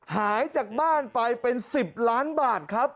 หายจากบ้านไปเป็น๑๐ล้านบาทครับ